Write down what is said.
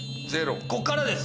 こっからです。